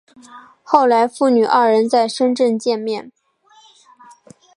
后来父女二人在深圳见面。